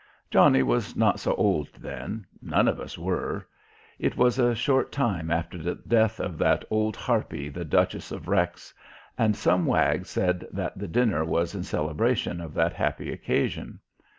Johnny was not so old then none of us were; it was a short time after the death of that old harpy, the Duchess of Wrexe, and some wag said that the dinner was in celebration of that happy occasion.